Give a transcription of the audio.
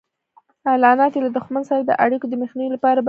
اعلانات یې له دښمن سره د اړیکو د مخنیوي لپاره بند کړي وو.